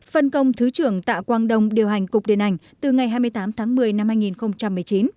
phân công thứ trưởng tạ quang đông điều hành cục điện ảnh từ ngày hai mươi tám tháng một mươi năm hai nghìn một mươi chín